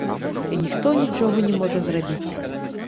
І ніхто нічога не можа зрабіць.